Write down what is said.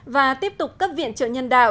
và tiếp tục cấp viện trợ nhân đạo